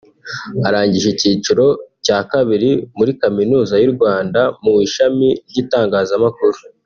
arangije icyiciro cya kabiri muri Kaminuza y’U Rwanda mu ishami ry’itangazamakuru